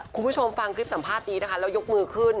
คุณผู้ชมฟังคลิปสัมภาษณ์นี้นะคะแล้วยกมือขึ้น